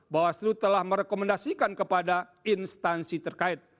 bawaslu telah merekomendasikan kepada instansi terkait